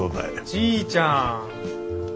じいちゃん。